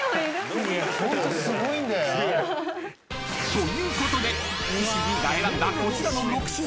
［ということで岸Ｄが選んだこちらの６品］